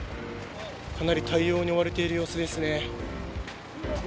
かなり対応に追われている様子です。